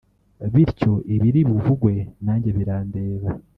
bityo ibiri buvugwe nanjye birandeba